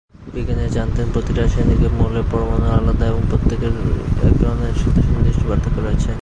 বিজ্ঞানীরা জানতেন, প্রতিটি রাসায়নিক মৌলের পরমাণু আলাদা, একের সাথে অন্যের সুনির্দিষ্ট পার্থক্য রয়েছে।